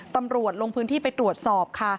ตำรวจลงพื้นที่ไปตรวจสอบค่ะ